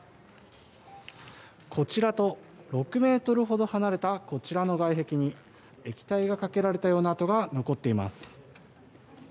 こちらと、６メートルほど離れたこちらの外壁に液体がかけられたような跡が残っています。